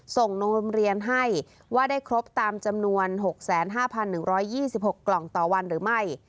ส่งโรงเรียนให้ว่าได้ครบตามจำนวน๖๕๑๒๖กล่องต่อวันหรือไม่